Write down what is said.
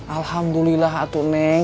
alhamdulillah atu neng